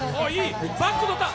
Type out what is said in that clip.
バックとった！